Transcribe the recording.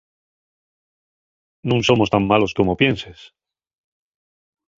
Nun somos tan malos como pienses.